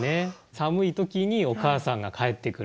寒い時にお母さんが帰ってくる。